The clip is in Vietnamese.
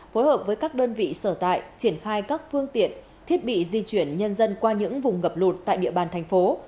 phối hợp với các đơn vị sở tại triển khai các phương tiện thiết bị di chuyển nhân dân qua những vùng ngập lụt tại địa bàn thành phố